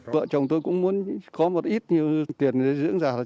vợ chồng tôi cũng muốn tìm hiểu về tình hình của gia đình